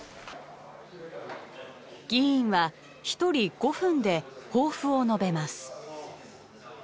議員は一人５分で抱負を述べます。